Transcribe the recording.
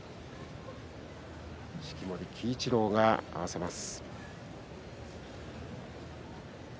式守鬼一郎が合わせます。